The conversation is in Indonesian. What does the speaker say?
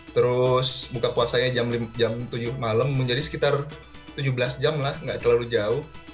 terus buka puasanya jam tujuh malam menjadi sekitar tujuh belas jam lah nggak terlalu jauh